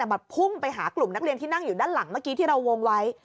มันพุ่งไปหากลุ่มนักเรียนที่นั่งอยู่ด้านหลังเมื่อกี้ที่เราวงไว้